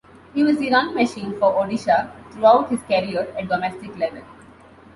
He was the run machine for Odisha throughout his career at domestic level.